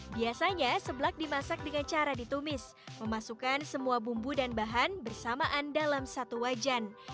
biasanya seblak dimasak dengan cara ditumis memasukkan semua bumbu dan bahan bersamaan dalam satu wajan